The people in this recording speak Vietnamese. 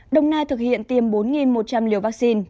đồng nai thực hiện tiêm bốn một trăm linh liều vaccine